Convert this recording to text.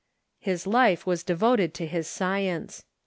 His life was devoted to his science.